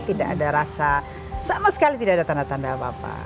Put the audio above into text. tidak ada rasa sama sekali tidak ada tanda tanda apa apa